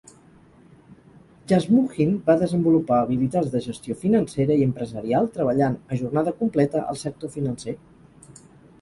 Jasmuheen va desenvolupar habilitats de gestió financera i empresarial treballant a jornada completa al sector financer.